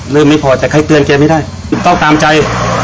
ไม่พอแต่ใครเตือนแกไม่ได้ต้องตามใจ